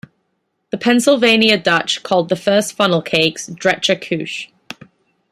The Pennsylvania Dutch called the first funnel cakes drechter kuche.